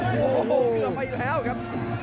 โอ้โหเคลื่อนไปอีกแล้วครับ